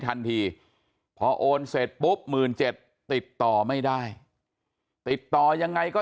ทันทีพอโอนเสร็จปุ๊บ๑๗๐๐ติดต่อไม่ได้ติดต่อยังไงก็